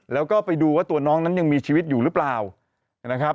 แล้วก็ไปดูว่าตัวน้องนั้นยังมีชีวิตอยู่หรือเปล่านะครับ